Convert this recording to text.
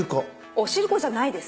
お汁粉じゃないです。